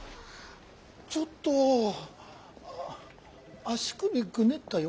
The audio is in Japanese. ちょっと足首ぐねったよ